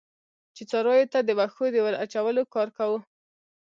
چې څارویو ته د وښو د ور اچولو کار.